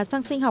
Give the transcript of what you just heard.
xăng sinh học